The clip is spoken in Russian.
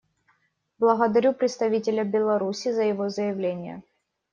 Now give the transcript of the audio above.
Благодарю представителя Беларуси за его заявление.